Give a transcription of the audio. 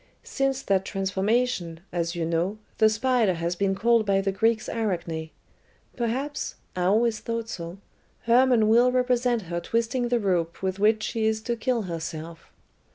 "Since that transformation, as you know, the spider has been called by the Greeks Arachne. Perhaps I always thought so Hermon will represent her twisting the rope with which she is to kill herself.